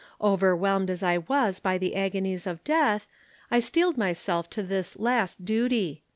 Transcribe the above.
Overwhelmed as I was by the agonies of death, I steeled myself to this last duty.